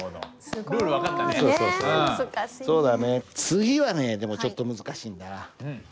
次はねでもちょっと難しいんだ。